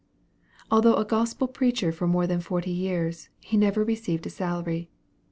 Although a Gospel preacher for more than forty years, he never received a salary.